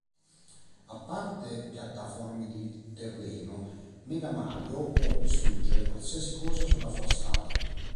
A parte piattaforme di terreno, Mega Mario può distruggere qualsiasi cosa sulla sua strada.